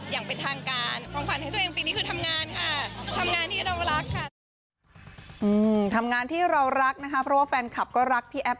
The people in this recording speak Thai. อย่างเป็นทางการ